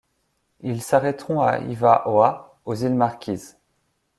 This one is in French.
Ils s’arrêteront à Hiva ʻOa, aux îles Marquises.